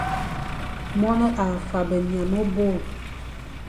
Mone a faghbe nya mebo,